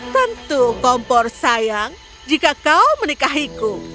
tentu kompor sayang jika kau menikahiku